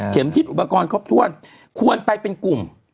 เข็มทิศอุปกรณ์ครอบธวงควรไปเป็นกลุ่ม